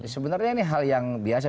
sebenarnya ini hal yang biasa